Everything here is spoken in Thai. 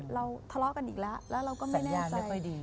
เราทะเลาะกันอีกแล้วแล้วเราก็ไม่แน่ใจสัญญาณเรียกว่าดี